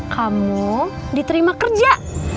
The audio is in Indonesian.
kamu diterima kerja